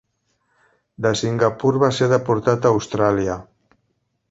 De Singapur va ser deportat a Austràlia.